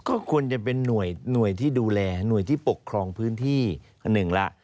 ก็ควรจะเป็นหน่วยที่ดูแลหน่วยที่ปกครองพื้นที่อันหนึ่งละ